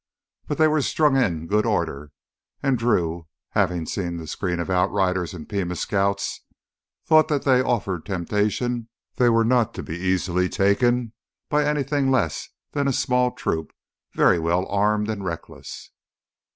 But they were strung in good order and Drew, having seen the screen of outriders and Pima Scouts, thought that though they offered temptation, they were not to be easily taken by anything less than a small troop, very well armed and reckless.